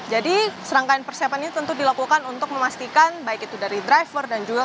jadi rangkaian persiapan ini tentu dilakukan untuk memastikan baik itu dari driver dan juga